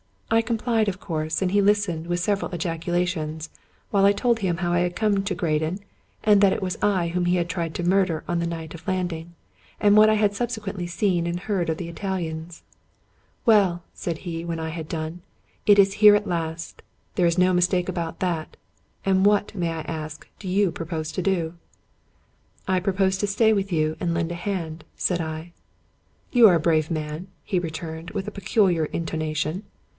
I complied of course; and he listened, with several ejaculations, while I told him how I had come to Graden : that it was I whom he had tried to murder on the night of landing; and what I had subsequently seen and heard of the Italians. " Well," said he, when I had done, " it is here at last ; there is no mistake about that. And what, may I ask, do you propose to do ?"" I propose to stay with you and lend a hand," said I. " You are a brave man," he returned, with a peculiar in tonation.